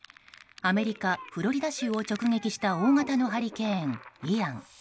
アメリカ・フロリダ州を直撃した大型のハリケーン、イアン。